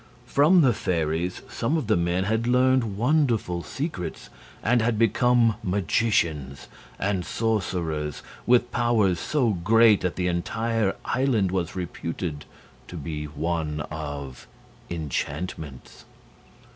From the fairies some of the men had learned wonderful secrets, and had become magicians and sorcerers, with powers so great that the entire island was reputed to be one of enchantments.